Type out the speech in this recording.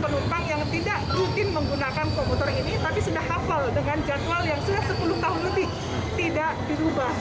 penumpang yang tidak rutin menggunakan komputer ini tapi sudah hafal dengan jadwal yang sudah sepuluh tahun lebih tidak dirubah